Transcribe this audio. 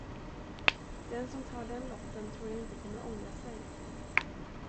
Den, som tar den lotten, tror jag inte kommer att ångra sig.